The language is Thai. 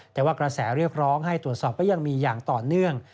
แต่ว่ากระแสเรียกร้องให้ตรวจสอบก็ยังมีอย่างต่อเนื่อง